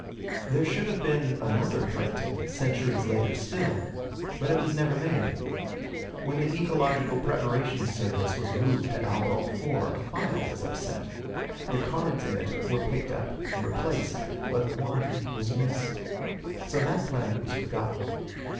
There should have been another planting, centuries later still, but it was never made. When the Ecological Preparation Service was moved to Algol IV, a file was upset. The cards in it were picked up and replaced, but one was missed. So that planet was forgotten.